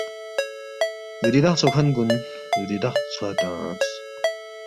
ریدخ ژھوکھن کُن ریدخ ژھوا تنگس